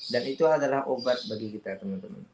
dan itu adalah obat bagi kita teman teman